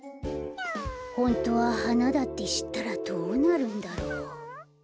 ホントははなだってしったらどうなるんだろう？